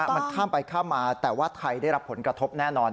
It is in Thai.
มันข้ามไปข้ามมาแต่ว่าไทยได้รับผลกระทบแน่นอน